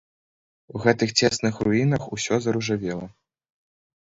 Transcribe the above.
У гэтых цесных руінах усё заружавела.